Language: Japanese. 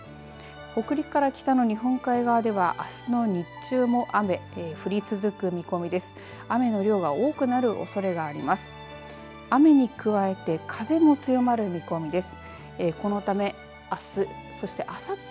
北陸から北の日本海側ではあすの日中も雨降り続く見込みです。